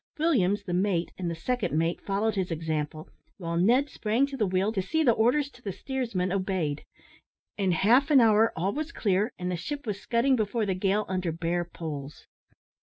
Williams, the mate, and the second mate, followed his example, while Ned sprang to the wheel to see the orders to the steersmen obeyed. In half an hour all was clear, and the ship was scudding before the gale under bare poles.